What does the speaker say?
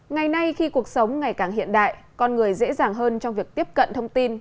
ngày nay khi cuộc sống ngày càng hiện đại con người dễ dàng hơn trong việc tiếp cận thông tin